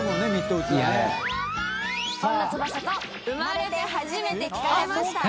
「本田翼と生まれて初めて聞かれました」